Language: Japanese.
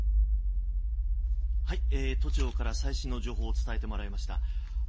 都庁から最新の情報を伝えてもらいました。